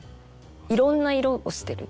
いろんな色をしてる。